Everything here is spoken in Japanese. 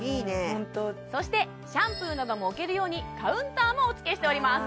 ホントそしてシャンプーなども置けるようにカウンターもおつけしております